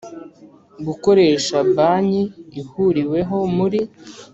Gukoresha banki ihuriweho muri